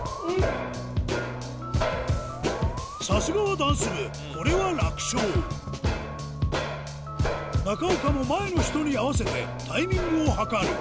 さすがはダンス部これは楽勝中岡も前の人に合わせてタイミングを計る